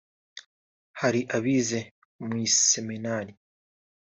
hari abize mu iseminari